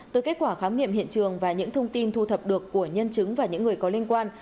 từ kết quả khám nghiệm hiện trường và những thông tin thu thập được của nhân chứng và những người có liên quan